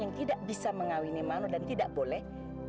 yang tidak bisa mengawini manu dan tidak boleh